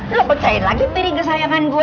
lo pecahin lagi piring kesayangan gue